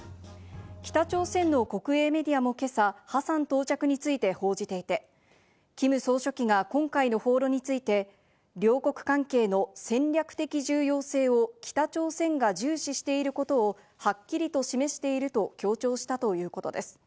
北朝鮮の国営メディアも今朝ハサン到着について報じていて、キム総書記が今回の訪露について両国関係の戦略的重要性を北朝鮮が重視していることをはっきりと示していると強調したということです。